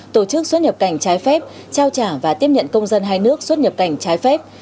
tổ chức xuất nhập cảnh trái phép trao trả và tiếp nhận công dân hai nước xuất nhập cảnh trái phép